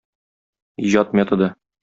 Иҗат методы.